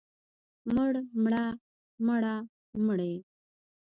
مړ، مړه، مړه، مړې.